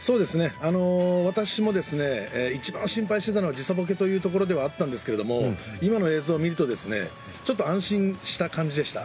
私も一番心配していたのは時差ぼけというところではあったんですが今の映像を見るとちょっと安心した感じでした。